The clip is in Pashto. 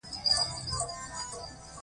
ملګري خوشحال طیب راډیو خبریال و.